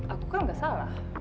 aku kan gak salah